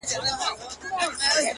نور مي له سترگو څه خوبونه مړه سول;